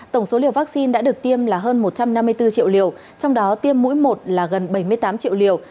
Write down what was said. tổng số liều vaccine đã được tiêm là hơn một trăm năm mươi bốn triệu liều trong đó tiêm mũi một là gần bảy mươi tám triệu liều